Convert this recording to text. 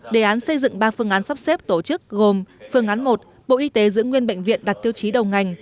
đề án xây dựng ba phương án sắp xếp tổ chức gồm phương án một bộ y tế giữ nguyên bệnh viện đặt tiêu chí đầu ngành